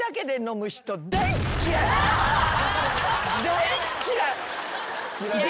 大っ嫌い！